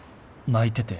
泣いてて。